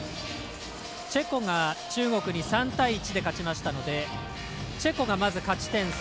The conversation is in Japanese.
チェコが中国に３対１で勝ちましたのでチェコが勝ち点３。